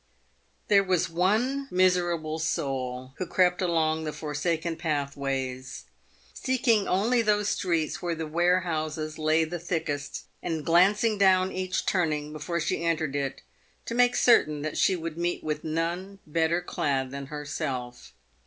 f There was one miserable soul who crept along the forsaken path ( ways, seeking only those streets where the warehouses lay the thickest, and glancing down each turning before she entered it, to make cer tain that she would meet with none better clad than herself.